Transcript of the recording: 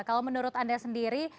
kalau menurut anda sendiri